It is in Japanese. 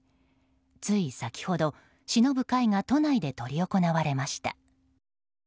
つい先ほど、しのぶ会が都内で執り行われました。